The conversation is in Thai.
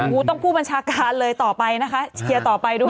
มึงต้องพูดบรรชาการเลยต่อไปนะคะเคียร์ต่อไปด้วย